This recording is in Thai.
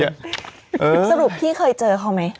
สรุปพี่เคยเจอเขาไหม